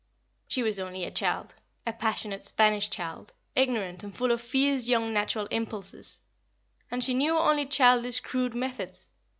She was only a child a passionate Spanish child, ignorant and full of fierce young natural impulses and she knew only childish, crude methods.